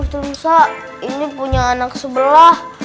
ustadz musa ini punya anak sebelah